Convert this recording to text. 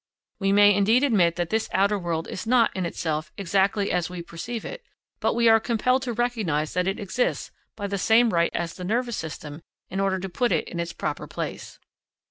We may indeed admit that this outer world is not, in itself, exactly as we perceive it; but we are compelled to recognise that it exists by the same right as the nervous system, in order to put it in its proper place.